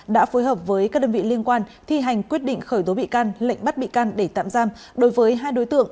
đã phối hợp với các đơn vị liên quan thi hành quyết định khởi tố bị can lệnh bắt bị can để tạm giam đối với hai đối tượng